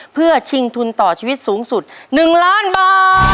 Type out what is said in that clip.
เพื่อชิงทุนต่อชีวิตสูงสุด๑ล้านบาท